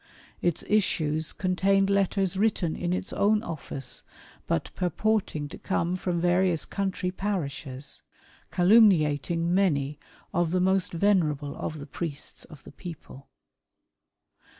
Its issues contained letters written in its own office, but purporting to come from various country parishes, calumniating FENIANISM. 141 many of the most venerable of the priests of the people.